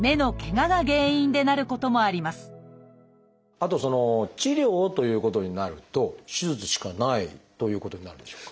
あと治療をということになると手術しかないということになるんでしょうか？